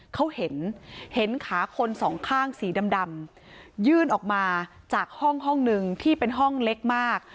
เขาเห็นเห็นขาคนสองข้างสีดำยื่นออกมาจากห้องห้องหนึ่งที่เป็นห้องเล็กมาก